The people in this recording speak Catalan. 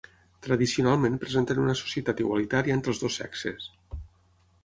Tradicionalment presenten una societat igualitària entre els dos sexes.